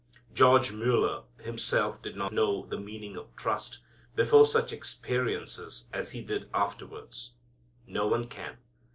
George Mueller himself did not know the meaning of "trust" before such experiences as he did afterwards. No one can.